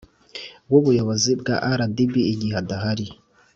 W ubuyobozi bwa rdb igihe adahari